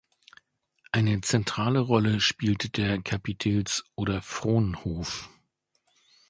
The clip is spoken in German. Eine zentrale Rolle spielte der Kapitels- oder Fronhof.